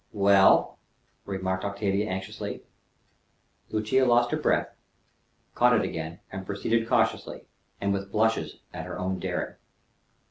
"Well?" remarked Octavia anxiously. Lucia lost her breath, caught it again, and proceeded cautiously, and with blushes at her own daring.